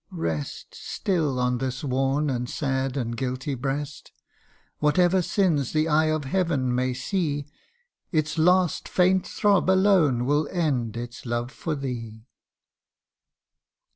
rest Still on this worn and sad and guilty breast ; Whatever sins the eye of Heaven may see, Its last faint throb alone will end its love for thee